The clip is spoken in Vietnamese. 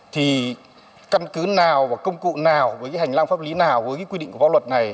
thì căn cứ nào và công cụ nào với cái hành lang pháp lý nào với quy định của pháp luật này